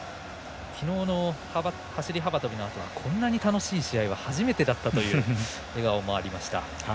きのうの走り幅跳びのあとこんなに楽しい試合は初めてだったという笑顔もありました。